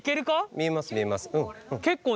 見えます見えます。